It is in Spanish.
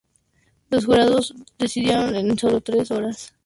Los jurados decidieron en sólo tres horas.